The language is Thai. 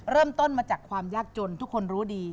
เริ่มต้นมาจากความยากจนทุกคนรู้ดี